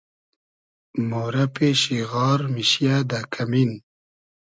مورۂ پېشی غار میشیۂ دۂ کئمین